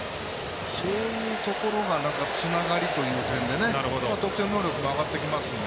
そういうところがつながりという点で得点能力も上がってきますので。